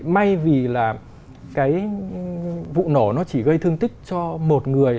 may vì là cái vụ nổ nó chỉ gây thương tích cho một người